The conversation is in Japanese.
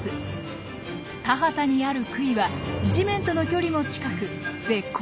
田畑にある杭は地面との距離も近く絶好の狩り場です。